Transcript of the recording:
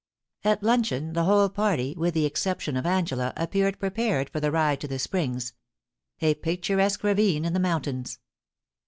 At luncheon, the whole party, with the exception of Angela, appeared prepared for the ride to the Springs — a picturesque ravine in the mountains.